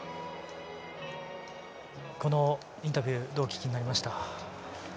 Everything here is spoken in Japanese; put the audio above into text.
このインタビューどうお聞きになりました？